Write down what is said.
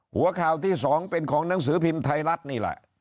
หัวข่าวที่๒เป็นของหนังสือพิมพ์ไทยรัฐนี่แหละ